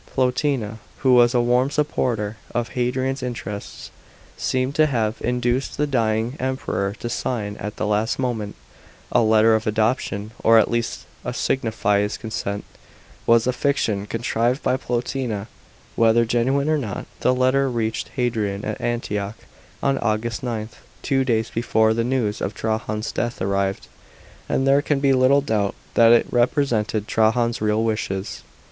Plotina, who was a warm supporter of Hadrian's in terests, seems to have induced the dying Kmperor to sign at the last moment a " letter of adoption," or at least signify his consent to the act. It was reported, however, at the time, that this c(>n sent was a fiction contrived by Plotina. Whether genuine or not, the letter reached Hadrian at Antioch on August 9, two days before the news of Trajan's death arrived, and there can be little doubt that it represented Trajan's real wishes.